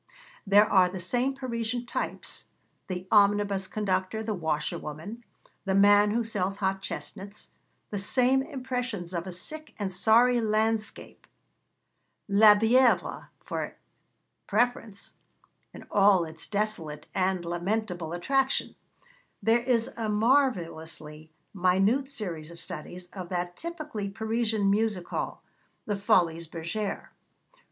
There are the same Parisian types the omnibus conductor, the washerwoman, the man who sells hot chestnuts the same impressions of a sick and sorry landscape, La Bièvre, for preference, in all its desolate and lamentable attraction; there is a marvellously minute series of studies of that typically Parisian music hall, the Folies Bergère.